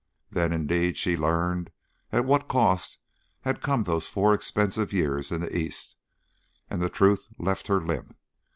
Then, indeed, she learned at what cost had come those four expensive years in the East, and the truth left her limp.